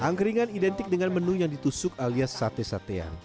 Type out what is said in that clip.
angkringan identik dengan menu yang ditusuk alias sate satean